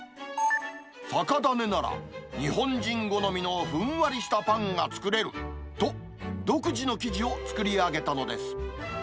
酒種なら、日本人好みのふんわりしたパンが作れると、独自の生地を作り上げたのです。